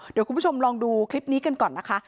เดี๋ยวคุณผู้ชมลองดูคลิปนี้กันก่อนนะคะ